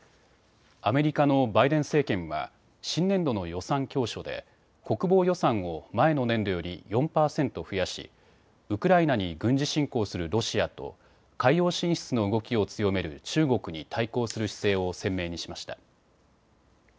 アメリカのバイデン政権は新年度の予算教書で国防予算を前の年度より４％増やしウクライナに軍事侵攻するロシアと海洋進出の動きを強める中国に対抗する姿勢を鮮明にしました。